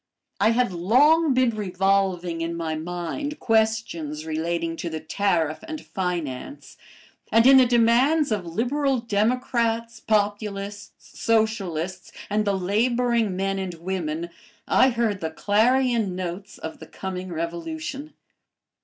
I had long been revolving in my mind questions relating to the tariff and finance, and in the demands of liberal democrats, populists, socialists, and the laboring men and women, I heard the clarion notes of the coming revolution.